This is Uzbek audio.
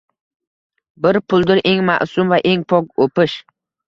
Bir puldir eng ma’sum va eng pok o’pish